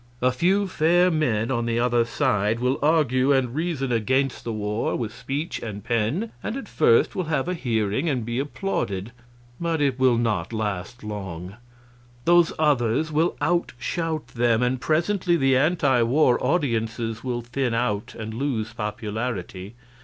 A few fair men on the other side will argue and reason against the war with speech and pen, and at first will have a hearing and be applauded; but it will not last long; those others will outshout them, and presently the anti war audiences will thin out and lose popularity.